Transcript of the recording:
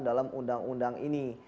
dalam undang undang ini